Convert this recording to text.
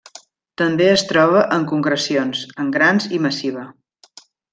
També es troba en concrecions, en grans i massiva.